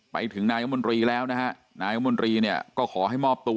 ไปถึงนายมนตรีแล้วนะฮะนายมนตรีเนี่ยก็ขอให้มอบตัว